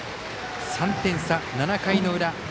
３点差、７回の裏。